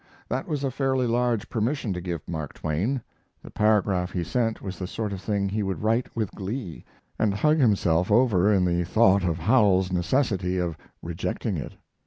That was a fairly large permission to give Mark Twain. The paragraph he sent was the sort of thing he would write with glee, and hug himself over in the thought of Howells's necessity of rejecting it.